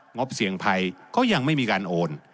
บเสี่ยงภัยก็ยังไม่มีการโอน